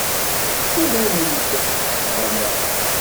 Ur awent-d-ssefhameɣ.